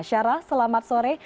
syarah selamat sore